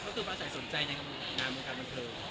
มันคือประสัยสนใจในงานมันกับเมืองเทอร์